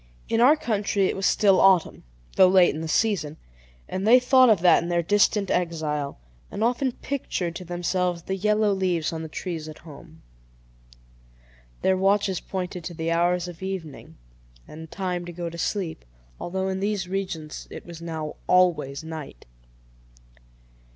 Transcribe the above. In our country it was still autumn, though late in the season; and they thought of that in their distant exile, and often pictured to themselves the yellow leaves on the trees at home. Their watches pointed to the hours of evening, and time to go to sleep, although in these regions it was now always night.